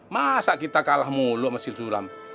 masa kita kalah mulu mas sil sulam